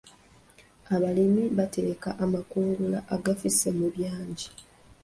Abalimi batereka amakungula agafisse mu byagi.